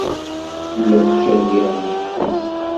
La ttcaliɣ deg teftist.